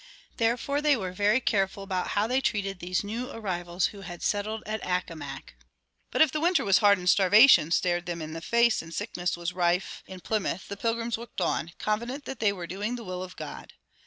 Therefore they were very careful how they treated these new arrivals who had settled at Accomac. But if the winter was hard and starvation stared them in the face and sickness was rife in Plymouth the Pilgrims worked on, confident that they were doing the will of God.